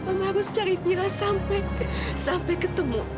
mama harus cari mira sampai ketemu